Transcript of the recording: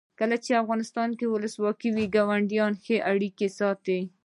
کله چې افغانستان کې ولسواکي وي ګاونډیان ښه اړیکې ساتي.